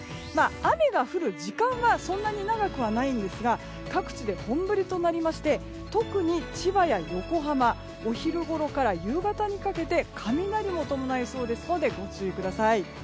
雨が降る時間はそんなに長くないんですが各地で本降りとなりまして特に千葉や横浜お昼ごろから夕方にかけて雷を伴いそうですのでご注意ください。